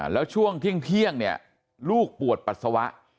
แล้วช่วงเที่ยงเนี่ยลูกปวดปัสสาวะ